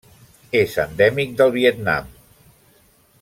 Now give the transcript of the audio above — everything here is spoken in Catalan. És endèmic del Vietnam.